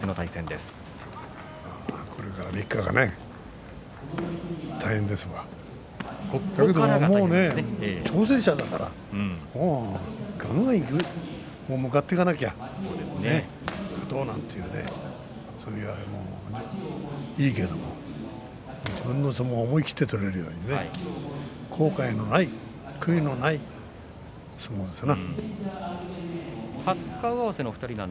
これから３日が大変ですがだけど挑戦者だからもうがんがん向かっていかなきゃ勝とうなんて、そういうあれもいいけれども自分の相撲を思い切って取れるように後悔のない悔いのない相撲ですな。